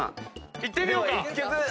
いってみようか。